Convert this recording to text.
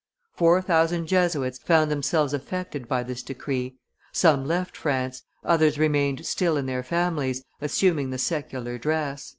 Four thousand Jesuits found themselves affected by this decree; some left France, others remained still in their families, assuming the secular dress.